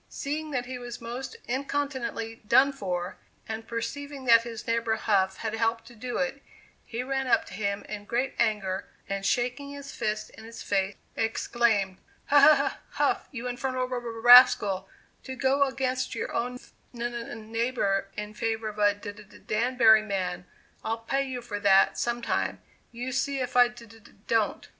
Seeing that he was most incontinently "done for," and perceiving that his neighbor Hough had helped to do it, he ran up to him in great anger, and shaking his fist in his face, exclaimed: "H H Hough, you infernal r r rascal, to go against your own n n neighbor in favor of a D D Danbury man. I'll pay you for that some time, you see if I d d don't."